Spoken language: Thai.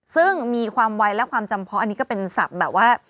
ซึ่งมีความไวและความจำเพาะอันนี้ก็เป็นศัพท์แบบว่า